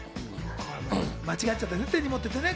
間違っちゃった。